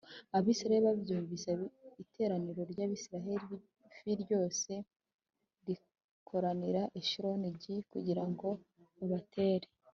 Abisirayeli babyumvise iteraniro ry Abisirayeli f ryose rikoranira i Shilo g kugira ngo babatere